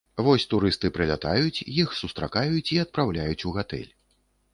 Вось турысты прылятаюць, іх сустракаюць і адпраўляюць у гатэль.